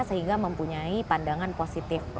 sehingga mempunyai pandangan positif